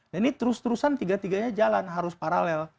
nah ini terus terusan tiga tiganya jalan harus paralel